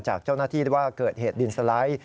จากเจ้าหน้าที่ว่าเกิดเหตุดินสไลด์